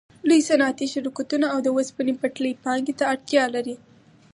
لوی صنعتي شرکتونه او د اوسپنې پټلۍ پانګې ته اړتیا لري